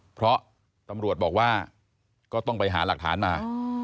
เพราะตำรวจบอกว่าก็ต้องไปหาหลักฐานมา